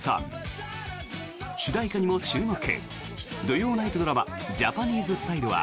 主題歌にも注目！